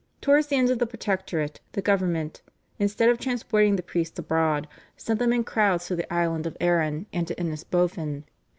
Towards the end of the Protectorate the government, instead of transporting the priests abroad, sent them in crowds to the Island of Aran and to Innisbofin.